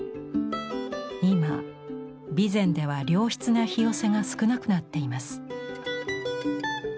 今備前では良質な「ひよせ」が少なくなっています。